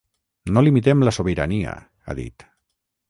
No limitem la sobirania, ha dit.